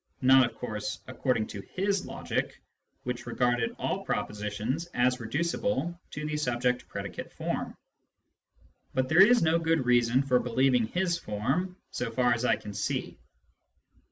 (Not, of course, according to his logic, which regarded all propositions as reducible to the subject predicate form.) But there is no good reason for believing his form, so far as I can see.